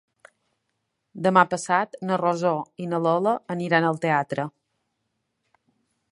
Demà passat na Rosó i na Lola aniran al teatre.